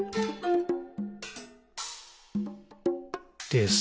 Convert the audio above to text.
「です。」